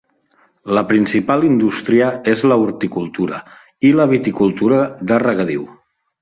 La principal indústria és la horticultura i la viticultura de regadiu.